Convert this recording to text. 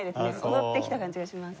踊ってきた感じがします。